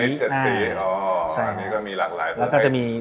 อันนี้ก็มีหลากหลาย